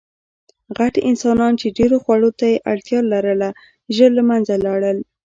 غټ انسانان، چې ډېرو خوړو ته یې اړتیا لرله، ژر له منځه لاړل.